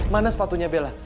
mana sepatunya bella